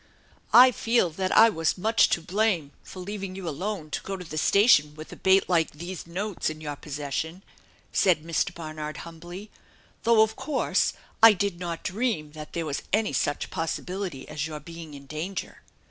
"\ fee] that I was much to blame for leaving you alone co go to the station with a bait like these notes in your pos session," said Mr. Barnard humbly. " Though of course I did not dream that there was any such possibility as your being in danger."